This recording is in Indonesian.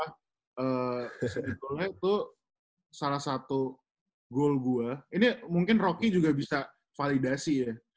sebetulnya itu salah satu goal gue ini mungkin rocky juga bisa validasi ya